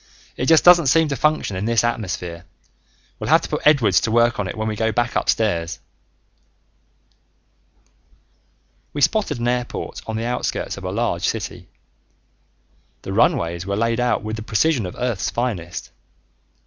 "It just doesn't seem to function in this atmosphere. We'll have to put Edwards to work on it when we go back upstairs." We spotted an airport on the outskirts of a large city. The runways were laid out with the precision of Earth's finest.